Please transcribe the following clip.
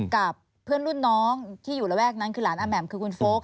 กับเพื่อนรุ่นน้องที่อยู่ระแวกนั้นคือหลานอาแหม่มคือคุณโฟลก